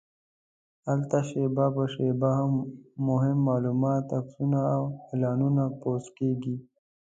هلته شېبه په شېبه مهم معلومات، عکسونه او اعلانونه پوسټ کېږي.